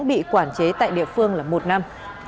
bị quản chế tại địa phương một năm